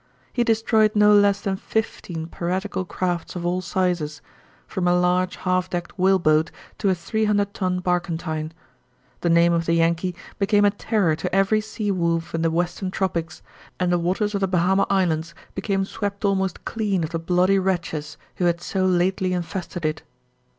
He destroyed no less than fifteen piratical crafts of all sizes, from a large half decked whaleboat to a three hundred ton barkentine. The name of the Yankee became a terror to every sea wolf in the western tropics, and the waters of the Bahama Islands became swept almost clean of the bloody wretches who had so lately infested it.